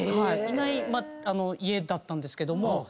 いない家だったんですけど。